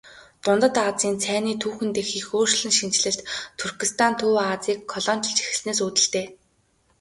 Дундад Азийн цайны түүхэн дэх их өөрчлөн шинэчлэлт Туркестан Төв Азийг колоничилж эхэлснээс үүдэлтэй.